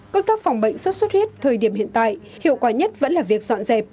hợp tác phòng bệnh xuất xuất huyết thời điểm hiện tại hiệu quả nhất vẫn là việc dọn dẹp